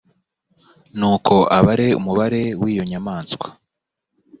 ni uko abare umubare w’iyo nyamaswa